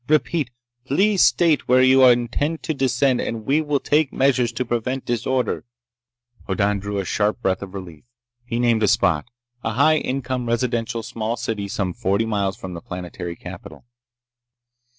Repeat, please state where you intend to descend and we will take measures to prevent disorder—" Hoddan drew a sharp breath of relief. He named a spot—a high income residential small city some forty miles from the planetary capital.